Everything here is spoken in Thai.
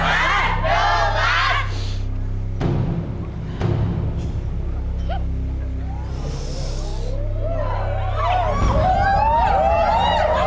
๑ล้านล้านล้าน